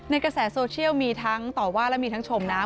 กระแสโซเชียลมีทั้งต่อว่าและมีทั้งชมนะ